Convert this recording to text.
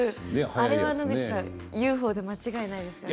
あれは野口さん、ＵＦＯで間違いないですよね？